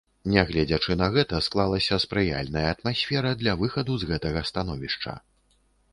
Нягледзячы на гэта, склалася спрыяльная атмасфера для выхаду з гэтага становішча.